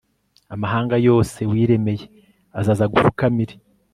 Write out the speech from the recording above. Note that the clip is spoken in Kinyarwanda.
amahanga yose wiremeye azaza agupfukamire